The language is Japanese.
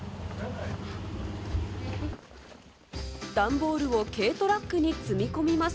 ダンボールを軽トラックに積み込みます。